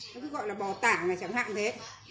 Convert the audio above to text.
nó cứ gọi là bò tảng này chẳng hạn thế